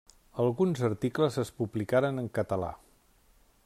Alguns articles es publicaren en català.